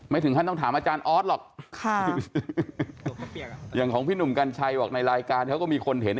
ถึงขั้นต้องถามอาจารย์ออสหรอกค่ะอย่างของพี่หนุ่มกัญชัยบอกในรายการเขาก็มีคนเห็น